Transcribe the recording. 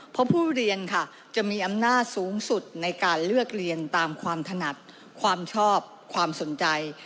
เพราะผู้เรียนค่ะจะมีอำนาจสูงสุดในการเลือกเรียนตามความถนัดความชอบความสนใจ